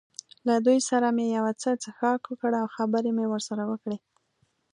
له دوی سره مې یو څه څښاک وکړ او خبرې مې ورسره وکړې.